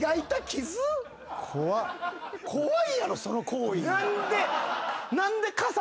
怖いやろその行為。